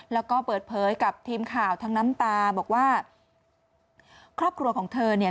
แล้วก็เปิดเผยกับทีมข่าวทั้งน้ำตาบอกว่าครอบครัวของเธอเนี่ย